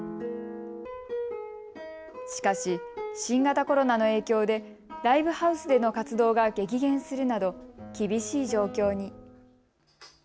しかし、新型コロナの影響でライブハウスでの活動が激減するなど厳しい状況に。